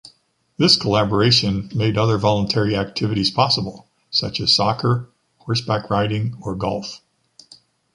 This collaboration made other voluntary activities possible, such as soccer, horseback riding or golf.